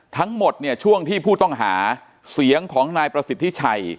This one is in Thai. ทั้งหมดเนี่ยช่วงที่ผู้ต้องหาเสียงของนายประสิทธิชัย